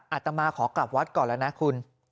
อาตมาขอกลับวัดก่อนแล้วนะคุณ